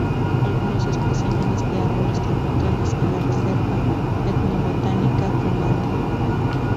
Algunos especímenes de árboles tropicales en la ""Reserva Etnobotánica Cumandá"".